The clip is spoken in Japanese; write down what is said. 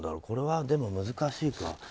これはでも難しいか。